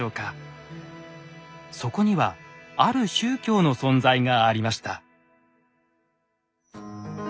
そこにはある宗教の存在がありました。